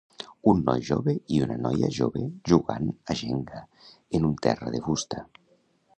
Un noi jove i una noia jove jugant a Jenga en un terra de fusta.